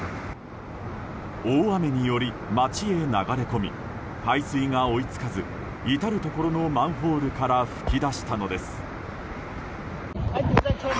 大雨により、街へ流れ込み排水が追い付かず至るところのマンホールから噴き出したのです。